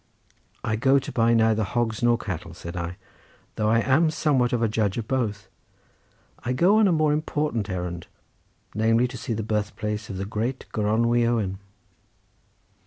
"I go to buy neither hogs nor cattle," said I, "though I am somewhat of a judge of both; I go on a more important errand, namely to see the birth place of the great Gronwy Owen."